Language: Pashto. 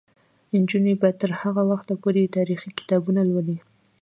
نجونې به تر هغه وخته پورې تاریخي کتابونه لولي.